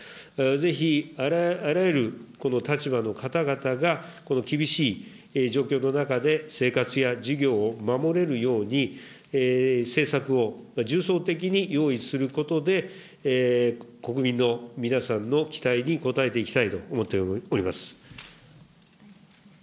ぜひ、あらゆるこの立場の方々が、この厳しい状況の中で生活や事業を守れるように、政策を重層的に用意することで、国民の皆さんの期待に応えていきたいと思っております。